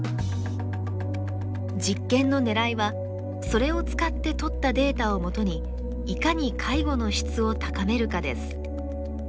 実験のねらいはそれを使ってとったデータをもとにいかに介護の質を高めるかです。